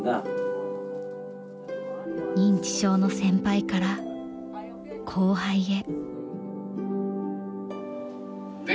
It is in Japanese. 認知症の先輩から後輩へ。